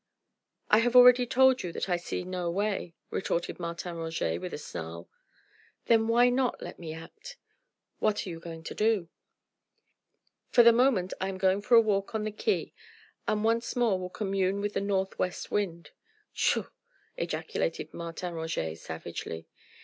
"I have already told you that I see no way," retorted Martin Roget with a snarl. "Then why not let me act?" "What are you going to do?" "For the moment I am going for a walk on the quay and once more will commune with the North West wind." "Tshaw!" ejaculated Martin Roget savagely.